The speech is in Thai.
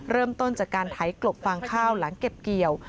เริ่มต้นจากการไถกลบฟางข้าวหลังเก็บเกี่ยว